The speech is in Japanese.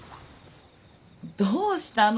どうしたの？